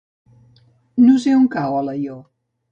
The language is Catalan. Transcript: No sé on cau Alaior.